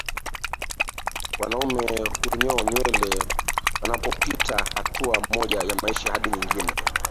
wanaume hunyoa nywele wanapopita hatua moja ya maisha hadi nyingine